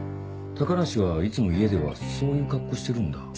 高梨はいつも家ではそういう格好してるんだ。